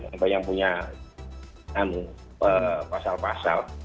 atau yang punya pasal pasal